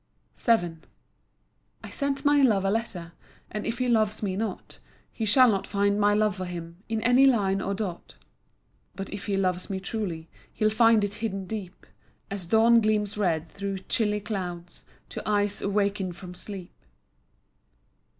VII I sent my love a letter, And if he loves me not, He shall not find my love for him In any line or dot. But if he loves me truly, He'll find it hidden deep, As dawn gleams red thro' chilly clouds To eyes awaked from sleep.